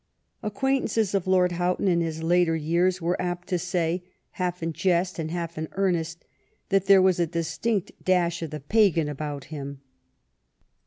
Acquaint ances of Lord Houghton in his later years were apt to say, half in jest and half in earnest, that there was a distinct dash of the pagan about him.